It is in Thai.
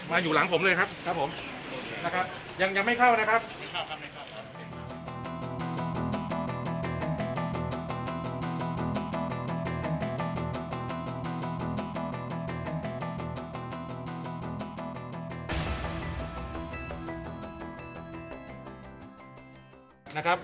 มาอยู่หลังผมเลยครับครับผมยังยังไม่เข้าเลยครับ